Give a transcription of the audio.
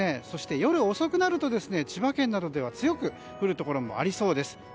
そして、夜遅くなると千葉県などでは強く降るところもありそうです。